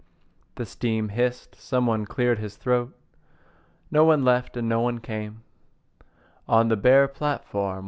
The steam hissed. Someone cleared his throat. No one left and no one came On the bare platform.